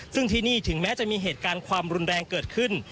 ซึ่งที่นี่ถึงแม้จะมีเหตุการณ์ความรุนแรงเกิดขึ้น